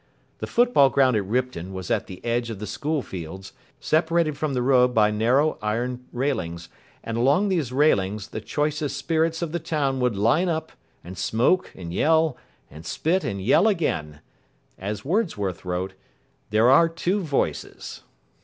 The football ground at Ripton was at the edge of the school fields, separated from the road by narrow iron railings; and along these railings the choicest spirits of the town would line up, and smoke and yell, and spit and yell again. As Wordsworth wrote, "There are two voices".